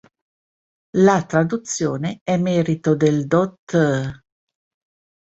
La traduzione è merito del dott.